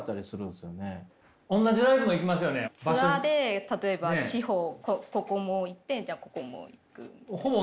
ツアーで例えば地方ここも行ってじゃあここも行くみたいな。